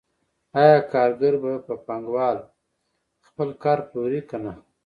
آیا کارګر په پانګوال خپل کار پلوري که نه